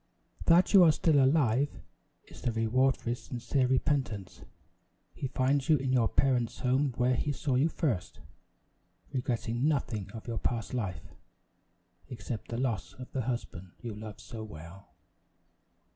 "That you are still alive, is the reward for his sincere repentance. He finds you in your parents' home where he saw you first, regretting nothing of your past life, except the loss of the husband you love so well."